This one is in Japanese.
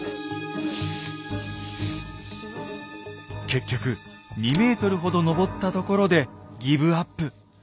結局２ｍほど登ったところでギブアップ。